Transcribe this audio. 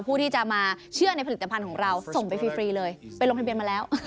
ผู้ที่จะมาเชื่อในผลิตภัณฑ์ของเราส่งไปฟรีเลยไปลงทะเบียนมาแล้ว